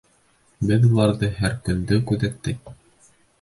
Беҙ уларҙы һәр көндө күҙәттек.